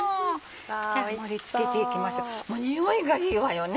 じゃ盛り付けていきましょ匂いがいいわよね。